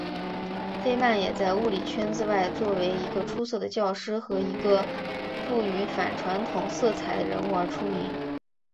费曼也在物理圈子外作为一个出色的教师和一个富于反传统色彩的人物而出名。